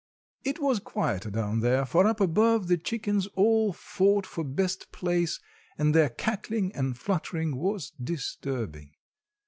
It was quieter down there—for up above the chickens all fought for best place, and their cackling and fluttering was disturbing.